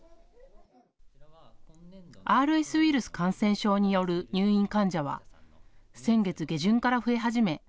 ＲＳウイルス感染症による入院患者は先月下旬から増え始め